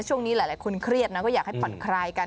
ช่วงนี้หลายคนเครียดนะก็อยากให้ผ่อนคลายกัน